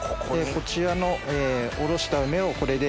こちらのおろした梅をこれで。